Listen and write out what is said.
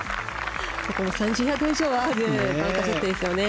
ここも３０ヤード以上はあるバンカーショットですよね。